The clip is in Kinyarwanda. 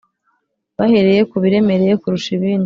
bahereye ku biremereye kurusha ibindi